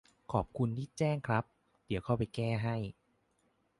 ขอบคุณที่แจ้งครับ เดี๋ยวเข้าไปแก้